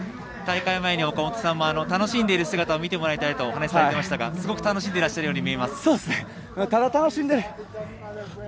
大会前に岡本さんも楽しんでいる姿を見てもらいたいと話をされていましたが、すごく楽しんでいらっしゃるように見えます。